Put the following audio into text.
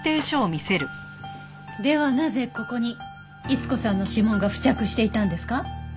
ではなぜここに逸子さんの指紋が付着していたんですか？